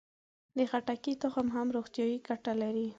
د خټکي تخم هم روغتیایي ګټه لري.